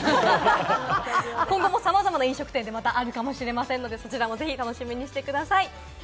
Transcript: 今後もさまざまな飲食店であるかもしれませんので、楽しみにしてください。